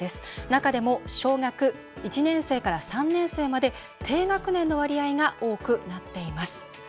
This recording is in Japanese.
中でも小学１年生から３年生まで低学年の割合が多くなっています。